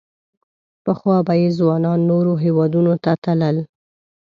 پخوا به یې ځوانان نورو هېوادونو ته تلل.